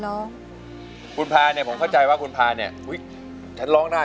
น้องคุณพาเนี่ยผมเข้าใจว่าคุณพาเนี่ยอุ้ยฉันร้องได้